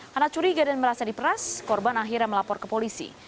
karena curiga dan merasa diperas korban akhirnya melapor ke polisi